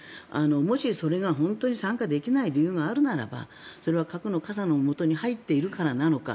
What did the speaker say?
もしそれが本当に参加できない理由があるのならばそれは核の傘のもとに入っているからなのか。